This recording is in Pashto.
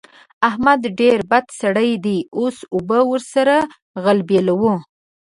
احمد ډېر بد سړی دی؛ اوس اوبه ور سره غلبېلوو.